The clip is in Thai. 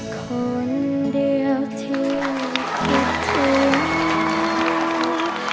คนเดียวที่คิดถึง